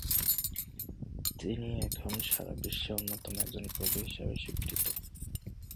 তিনি এখন সারা বিশ্বে অন্যতম একজন কবি হিসেবে স্বীকৃত ।